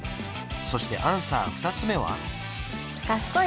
そしてアンサー２つ目は？